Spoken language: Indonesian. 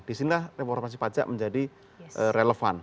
disinilah reformasi pajak menjadi relevan